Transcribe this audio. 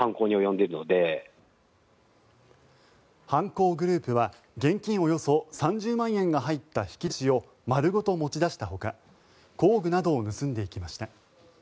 犯行グループは現金およそ３０万円が入った引き出しを丸ごと持ち出したほか工具などを盗んでいきました。